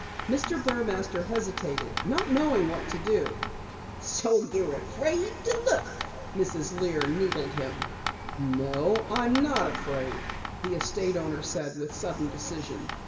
Mr. Burmaster hesitated, not knowing what to do. "So you're afraid to look?" Mrs. Lear needled him. "No, I'm not afraid," the estate owner said with sudden decision.